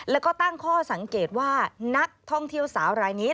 แล้วก็ตั้งข้อสังเกตว่านักท่องเที่ยวสาวรายนี้